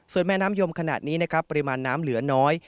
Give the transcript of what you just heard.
ส่วนแม่น้ำยมขณะนี้นะครับปริมาณน้ำเหลือน้อย